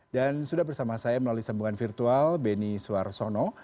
dan sudah bersama saya melalui sambungan virtual beni suwarsono